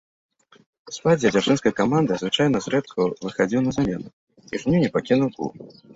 У складзе дзяржынскай каманды звычайна зрэдку выхадзіў на замену, і ў жніўні пакінуў клуб.